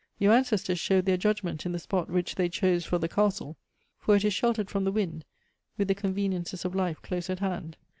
Your ancestors showed their judg ment in the spot which they chose for the castle ; for it is sheltered irom the wind, with the conveniences of life close at hand.